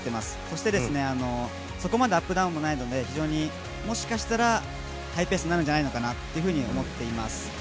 そしてそこまでアップダウンがないので、もしかしたらハイペースになるんじゃないのかなと思っています。